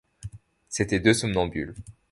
C’étaient deux somnambules.